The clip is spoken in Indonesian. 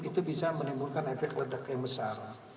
itu bisa menimbulkan efek ledak yang besar